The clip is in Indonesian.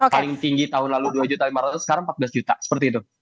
paling tinggi tahun lalu rp dua lima ratus sekarang rp empat belas seperti itu